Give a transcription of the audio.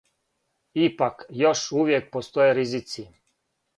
Ипак, још увијек постоје ризици.